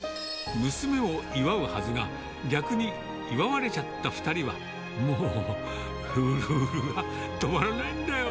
娘を祝うはずが、逆に祝われちゃった２人は、もう、うるうるが、止まらないんだよ。